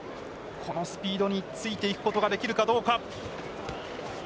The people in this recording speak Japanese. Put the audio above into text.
このスピードについていくことができるかどうか。